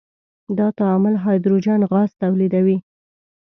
دا تعامل هایدروجن غاز تولیدوي.